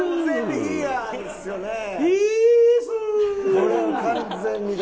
これは完全にだ。